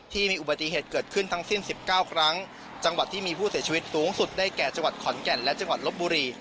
ที่มีอุบัติเหตุเกิดขึ้นทั้งสิ้น๑๙ครั้งจังหวัดที่มีผู้เสียชีวิตสูงสุดได้แก่จังหวัดขอนแก่นและจังหวัดลบบุรี